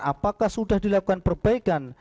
apakah sudah dilakukan perbaikan